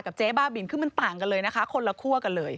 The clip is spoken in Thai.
เจ๊บ้าบินคือมันต่างกันเลยนะคะคนละคั่วกันเลย